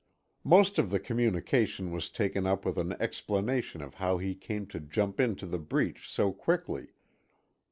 Most of the communication was taken up with an explanation of how he came to jump into the breach so quickly.